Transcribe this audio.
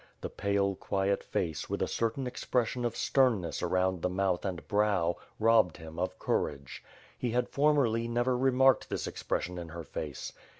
The pale, quiet face, with a certain expression of sternness around the mouth and brow, robbed him of courage. He had formerly never remarked this expression in her face.